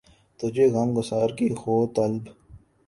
تجھے غم گسار کی ہو طلب